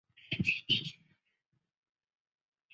雷诺位于内华达州首府卡森城接壤。